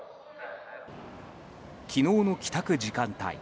昨日の帰宅時間帯。